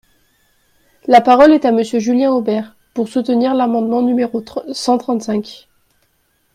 La parole est à Monsieur Julien Aubert, pour soutenir l’amendement numéro cent trente-cinq.